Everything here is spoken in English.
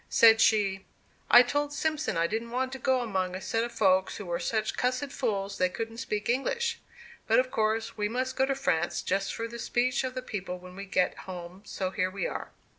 Said she, "I told Simpson I didn't want to go among a set of folks who were such cussed fools they couldn't speak English! But of course we must go to France just for the speech of the people when we get home, so here we are.